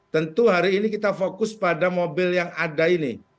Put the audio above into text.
tentu hari ini kita fokus pada mobil yang ada ini